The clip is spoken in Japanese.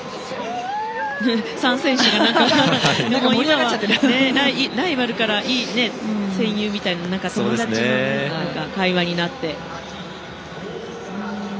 ３選手が今はライバルからいい戦友という友達の会話になって。